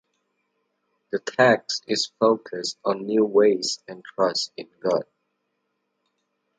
The text is focused on new ways and trust in God.